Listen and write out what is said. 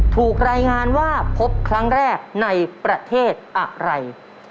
ถูกรายงานว่าพบครั้งแรกในประเทศอะไร